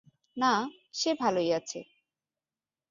না, সে ভালোই আছে।